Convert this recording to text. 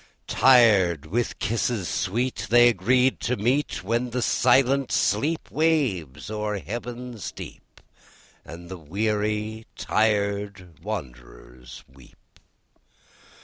Tired with kisses sweet, They agree to meet When the silent sleep Waves o'er heaven's deep, And the weary tired wanderers weep.